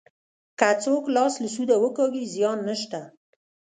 که څوک لاس له سوده وکاږي زیان نشته.